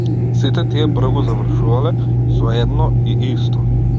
Сите тие бргу завршувале, со едно и исто.